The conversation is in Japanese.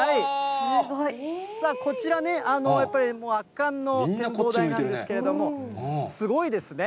すごい。さあ、こちらね、やっぱり、圧巻の展望台なんですけれども、すごいですね。